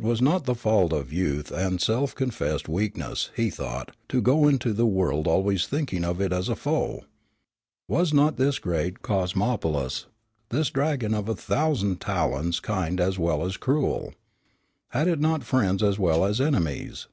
Was it not the fault of youth and self confessed weakness, he thought, to go into the world always thinking of it as a foe? Was not this great Cosmopolis, this dragon of a thousand talons kind as well as cruel? Had it not friends as well as enemies?